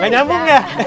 gak nyambung ya